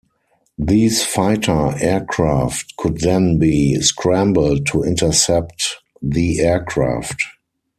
These fighter aircraft could then be "scrambled" to intercept the aircraft.